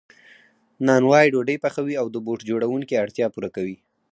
نانوای ډوډۍ پخوي او د بوټ جوړونکي اړتیا پوره کوي